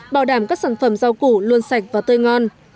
bảo đảm các sản phẩm rau củ luôn sạch và tươi ngon